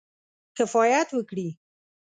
کفایت وکړي.